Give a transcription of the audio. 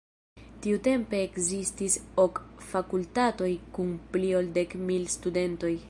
Tiutempe ekzistis ok fakultatoj kun pli ol dek mil studentoj.